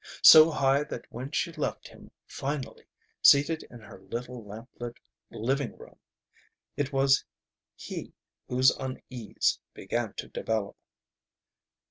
So high that when she left him finally, seated in her little lamplit living room, it was he whose unease began to develop.